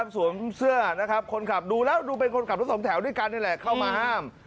สวมเสื้อนะครับคนขับดูแล้วดูเป็นคนขับรถสองแถวด้วยกันนี่แหละเข้ามาห้าม